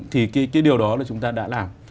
thì cái điều đó là chúng ta đã làm